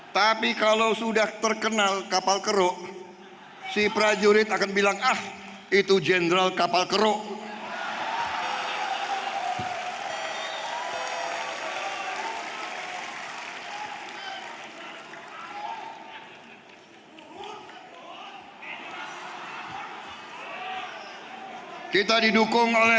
tapi kalau sudah terkenal kapal keruk si prajurit akan bilang ah itu jendral kapal keruk